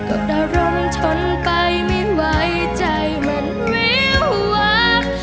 ก็ได้ร่มทนไปไม่ไหวใจมันไม่หวัง